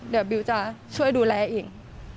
เดี๋ยวบิวจะช่วยดูแลอีก